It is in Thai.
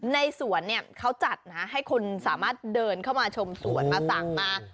ในสวนเนี่ยเขาจัดนะให้คนสามารถเดินเข้ามาชมสวนมาสั่งมา